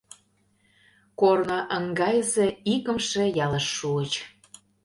Корно ыҥгайысе икымше ялыш шуыч.